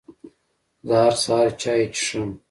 زه هر سهار چای څښم